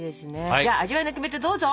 じゃあ味わいのキメテどうぞ！